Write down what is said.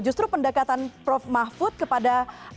justru pendekatan prof mahfud kepada